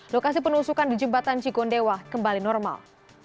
lokasi penusukan di jembatan cigondewa kembali normal